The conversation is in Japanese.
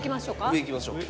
上行きましょうか。